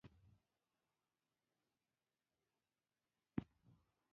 په یوه نسبتاً وړه کوټه کې ځای کړو.